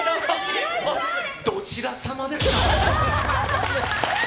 どちら様ですか？